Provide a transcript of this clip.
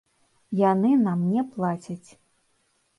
Яны нам не плацяць.